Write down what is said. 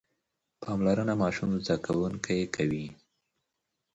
پاملرنه ماشوم زده کوونکی کوي.